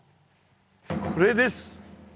これです。